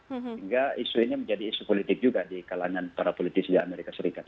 sehingga isu ini menjadi isu politik juga di kalangan para politisi di amerika serikat